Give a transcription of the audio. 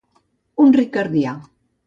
Un ricardià.